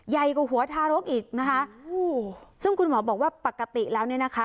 ใหญ่กว่าหัวทารกอีกนะคะซึ่งคุณหมอบอกว่าปกติแล้วเนี่ยนะคะ